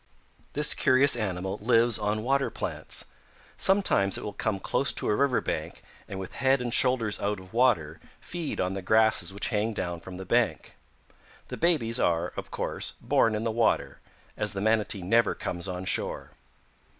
"This curious animal lives on water plants. Sometimes it will come close to a river bank and with head and shoulders out of water feed on the grasses which hang down from the bank. The babies are, of course, born in the water, as the Manatee never comes on shore.